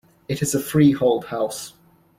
It is a freehold house.